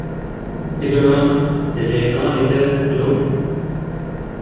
Vîdeoyan di lêdanê de bidomîne.